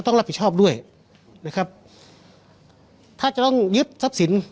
ต้องรับผิดชอบด้วยนะครับถ้าจะต้องยึดทรัพย์สิน